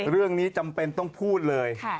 เรื่องนี้จำเป็นต้องพูดเลย